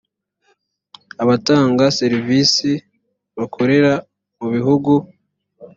abatanga serivisi bakorera mu bihugu